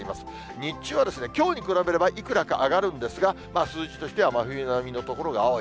日中はきょうに比べればいくらか上がるんですが、数字としては真冬並みの所が多い。